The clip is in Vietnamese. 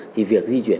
thì việc di chuyển